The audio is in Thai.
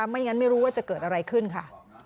ไม่งั้นไม่รู้ว่าจะเกิดอะไรขึ้นค่ะ